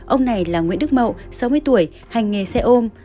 ông này là nguyễn đức mậu sáu mươi tuổi hành nghề xe ôm